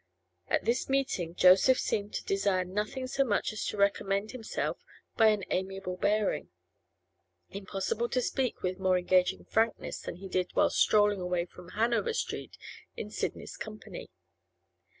At this meeting Joseph seemed to desire nothing so much as to recommend himself by an amiable bearing. Impossible to speak with more engaging frankness than he did whilst strolling away from Hanover Street in Sidney's company.